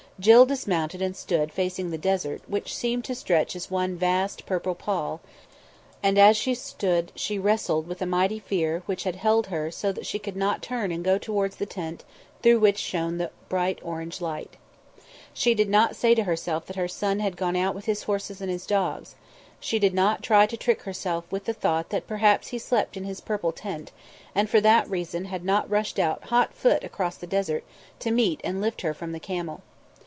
Jill dismounted and stood facing the desert, which seemed to stretch as one vast purple pall; and as she stood she wrestled with a mighty fear which held her so that she could not turn and go towards the tent through which shone the orange light. She did not say to herself that her son had gone out with his horses and his dogs; she did not try to trick herself with the thought that perhaps he slept in his purple tent, and for that reason had not rushed out hot foot across the desert to meet and lift her from the camel.